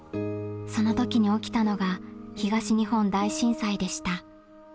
その時に起きたのが東日本大震災でした。